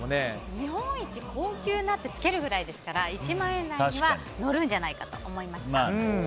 日本一高級なってつけるくらいですから１万円台には乗るんじゃないかと思いました。